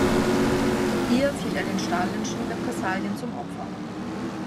Hier fiel er den Stalinschen Repressalien zum Opfer.